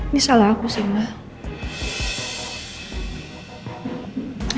ini salah aku sih mbak